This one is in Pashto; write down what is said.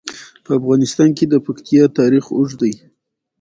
په افغانستان کې د پکتیکا تاریخ اوږد دی.